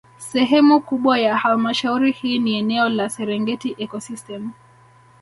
Sehemu kubwa ya Halmashauri hii ni eneo la Serengeti Ecosystem